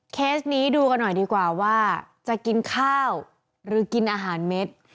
เคสนี้ดูกันหน่อยดีกว่าว่าจะกินข้าวหรือกินอาหารเม็ด